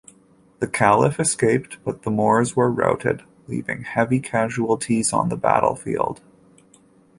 The Caliph escaped, but the Moors were routed, leaving heavy casualties on the battlefield.